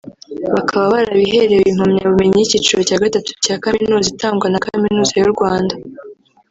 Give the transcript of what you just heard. bakaba barabiherewe Impamyabumenyi y’Icyiciro cya gatatu cya Kaminuza itangwa na Kaminuza y’u Rwanda